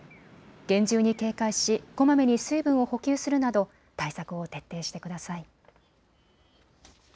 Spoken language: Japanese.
厳重に警戒しこまめに水分を補給するなど対策を徹底してください。